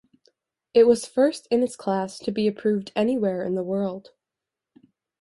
It was first in its class to be approved anywhere in the world.